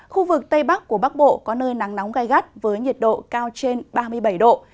khu vực tây bắc của bắc bộ có nơi nắng nóng gai gắt với nhiệt độ cao trên ba mươi bảy độ